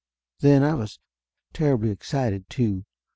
Then I was terribly excited, too.